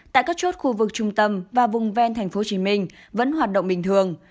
tại các chốt khu vực trung tâm và vùng ven tp hcm vẫn hoạt động bình thường